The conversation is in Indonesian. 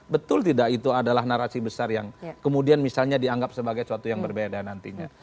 betul tidak itu adalah narasi besar yang kemudian misalnya dianggap sebagai suatu yang berbeda nantinya